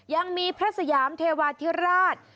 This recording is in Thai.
ยังมีพระสยามเทวาธิราช